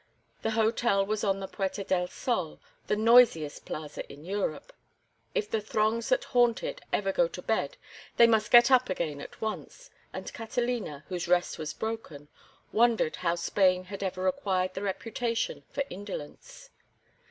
The hotel was on the Puerta del Sol, the noisiest plaza in Europe. If the throngs that haunt it ever go to bed they must get up again at once, and Catalina, whose rest was broken, wondered how Spain had ever acquired the reputation for indolence.